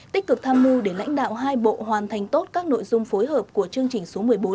tích cực tham mưu để lãnh đạo hai bộ hoàn thành tốt các nội dung phối hợp của chương trình số một mươi bốn